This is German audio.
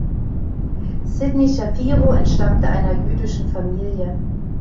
Sidney Shapiro entstammte einer jüdischen Familie.